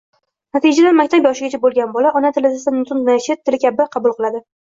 Natijada, maktab yoshigacha bo‘lgan bola ona tilisidagi nutqni, chet tili kabi qabul qiladi.